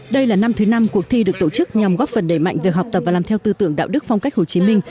đây là năm thứ năm cuộc thi được tổ chức nhằm góp phần đẩy mạnh về học tập và làm theo tư tưởng đạo đức phong cách hồ chí minh